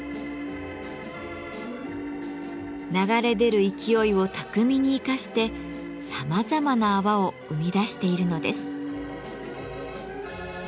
流れ出る勢いを巧みに生かしてさまざまな泡を生み出しているのです。